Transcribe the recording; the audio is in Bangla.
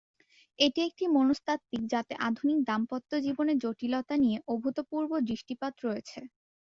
এটি একটি মনস্তাত্ত্বিক যাতে আধুনিক দাম্পত্য জীবনের জটিলতা নিয়ে অভূতপূর্ব দৃষ্টিপাত রয়েছে।